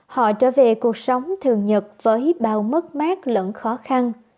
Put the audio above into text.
họ trở về cuộc sống thường nhật với bao mất mát lẫn khó khăn